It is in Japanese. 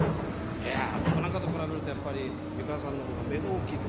いや僕なんかと比べるとやっぱり美川さんの方が目がおっきいです。